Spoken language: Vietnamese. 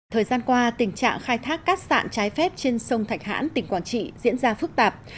thời gian qua tình trạng khai thác cát sạn trái phép trên sông thạch hãn tỉnh quảng trị diễn ra phức tạp